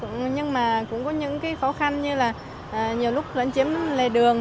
nhưng mà cũng có những khó khăn như là nhiều lúc lấn chiếm lời đường